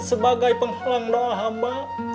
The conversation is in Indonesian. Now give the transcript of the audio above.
sebagai penghalang doa hamba